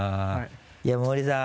いや森さん。